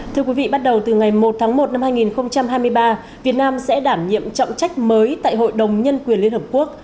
thưa quý vị bắt đầu từ ngày một tháng một năm hai nghìn hai mươi ba việt nam sẽ đảm nhiệm trọng trách mới tại hội đồng nhân quyền liên hợp quốc